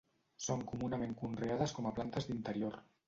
Són comunament conreades com a plantes d'interior.